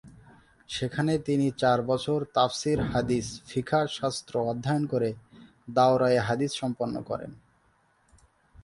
সেখানে তিনি চার বছর তাফসির, হাদিস, ফিকহ শাস্ত্র অধ্যয়ন করে দাওরায়ে হাদিস সম্পন্ন করেন।